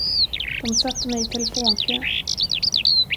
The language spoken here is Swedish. De satte mig i telefonkö.